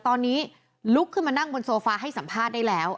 ตอนนี้ลุกขึ้นมานั่งบนโซฟาให้สัมภาษณ์ได้แล้ว